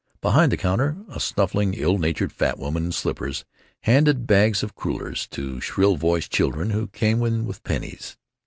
Behind the counter a snuffling, ill natured fat woman in slippers handed bags of crullers to shrill voiced children who came in with pennies.